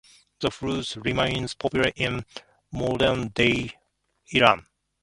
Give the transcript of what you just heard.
The fruit remains popular in modern-day Iran.